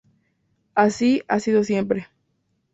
Así ha sido siempre.